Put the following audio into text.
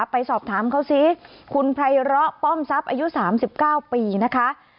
ไปสอบถามเขาสิคุณไพร้อป้อมทรัพย์อายุ๓๙ปีนะคะ